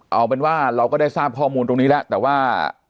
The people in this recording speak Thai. เอาเป็นว่าเราก็ได้ทราบข้อมูลตรงนี้แล้วแต่ว่า